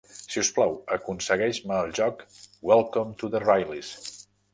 Si us plau, aconsegueix-me el joc "Welcome to the Rileys".